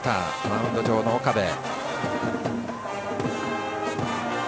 マウンド上の岡部。